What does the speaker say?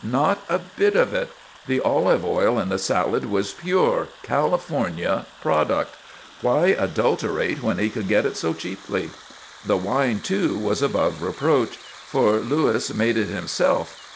Not a bit of it! The olive oil in the salad was pure, California product why adulterate when he could get it so cheaply? The wine, too, was above reproach, for Louis made it himself.